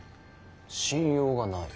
信用がない？